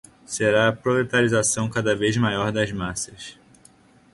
será a proletarização cada vez maior das massas